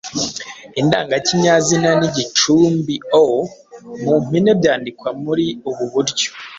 indangakinyazina n’igicumbi - ô. Mu mpine byandikwa muri ubu buryo